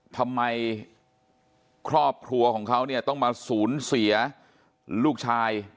ทำไมครอบครัวของเขาเนี่ยต้องมาสูญเสียลูกชาย